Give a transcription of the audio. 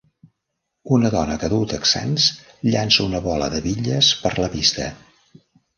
Una dona que duu texans llança una bola de bitlles per la pista.